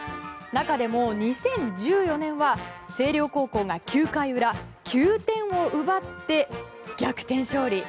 中でも、２０１４年は星稜高校が９回裏９点を奪って逆転勝利。